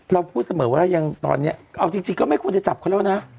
เราพูดเสมอว่ายังตอนนี้เอาจริงก็ไม่ควรจะจับเขาแล้วนะ